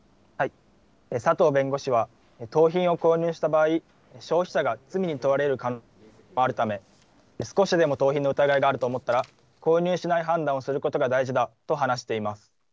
佐藤弁護士は、盗品を購入した場合、消費者が罪に問われる場合もあるため、少しでも盗品の疑いがあると思ったら、購入しない判断をすることが大事だと話しています。